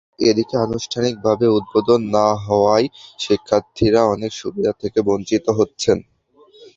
এদিকে আনুষ্ঠানিকভাবে উদ্বোধন না হওয়ায় শিক্ষার্থীরা অনেক সুবিধা থেকে বঞ্চিত হচ্ছেন।